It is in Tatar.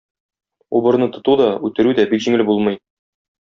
Убырны тоту да, үтерү дә бик җиңел булмый.